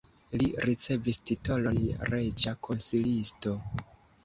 Li ricevis titolon reĝa konsilisto.